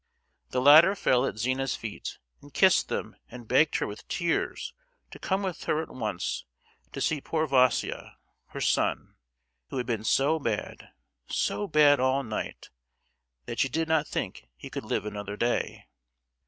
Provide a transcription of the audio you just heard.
The latter fell at Zina's feet and kissed them and begged her with tears to come with her at once to see poor Vaísia, her son, who had been so bad, so bad all night that she did not think he could live another day.